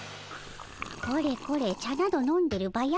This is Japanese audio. これこれ茶など飲んでるバヤ